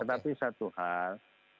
tetapi satu hal